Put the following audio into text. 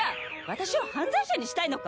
私を犯罪者にしたいのか？